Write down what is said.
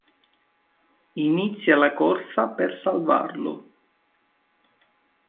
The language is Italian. Inizia la corsa per salvarlo.